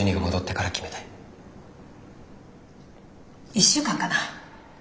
１週間かな。